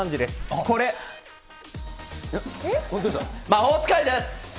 魔法使いです。